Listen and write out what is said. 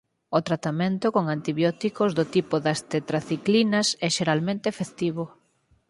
O tratamento con antibióticos do tipo das tetraciclinas é xeralmente efectivo.